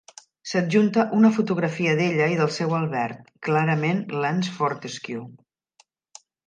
S'adjunta una fotografia d'ella i del seu Albert, clarament Lance Fortescue.